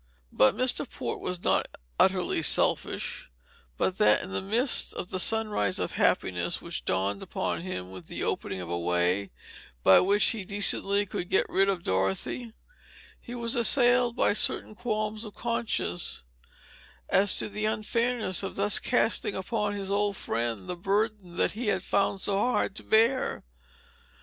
But Mr. Port was not so utterly selfish but that, in the midst of the sunrise of happiness which dawned upon him with the opening of a way by which he decently could get rid of Dorothy, he was assailed by certain qualms of conscience as to the unfairness of thus casting upon his old friend the burden that he had found so hard to bear.